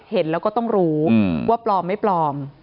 เห็นแล้วก็ต้องรู้ว่าปลอมไม่ปลอม